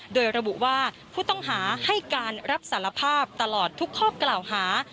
โดยระบุว่าผู้ต้องหาให้การรับสารภาพตลอดทุกข้อกล่าวหา